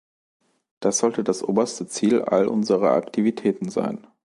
Das sollte das oberste Ziel all unserer Aktivitäten sein.